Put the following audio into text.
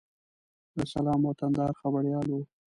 د سلام وطندار خبریال و.